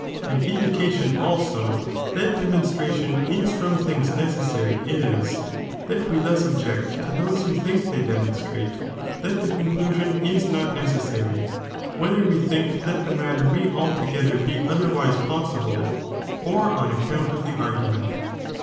An indication also tiiat demonstration is from things necessary is, that we thua object to those who think they de monstrate that (the conclusion) is not necessary, whether we think that the matter may altogether be otherwiae possible, or on account of the argument.